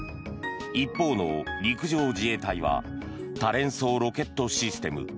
一方での陸上自衛隊は多連装ロケットシステム・ＭＬＲＳの